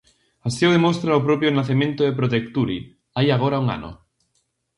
Así o demostra o propio nacemento de Protecturi, hai agora un ano.